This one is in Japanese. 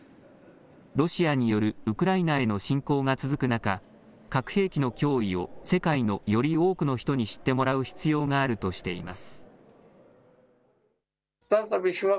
ロシアによるウクライナへの侵攻が続く中、核兵器の脅威を世界のより多くの人に知ってもらう必要があるとしています。